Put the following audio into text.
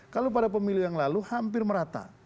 kalau pada pemilu yang lalu hampir merata